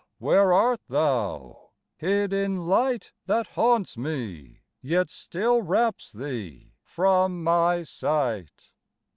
where art thou, hid in light That haunts me, yet still wraps thee from my sight?